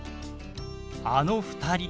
あの２人